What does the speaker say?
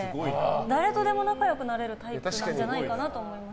誰とでも仲良くなれるタイプじゃないかなと思います。